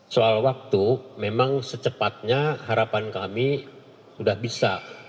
soal waktu memang secepatnya harapan kami sudah bisa